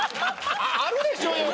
あるでしょうよ